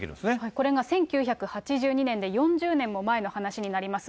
これが１９８２年で、４０年も前の話になります。